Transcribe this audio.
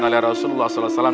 oleh rasulullah saw